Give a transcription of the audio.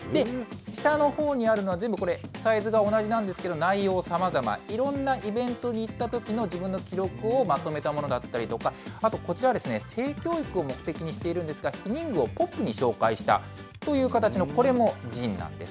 下のほうにあるのは、全部これ、サイズが同じなんですけど、内容さまざま、いろんなイベントに行ったときの自分の記録をまとめたものだったりとかあとこちら、性教育を目的にしているんですが、避妊具をポップに紹介したという形の、これもＺＩＮＥなんです。